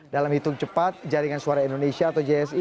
dalam hitung cepat jaringan suara indonesia atau jsi